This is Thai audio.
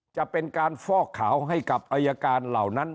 จะเป็นการฟอกขาวให้กับอายการเหล่านั้น